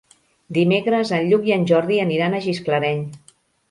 Dimecres en Lluc i en Jordi aniran a Gisclareny.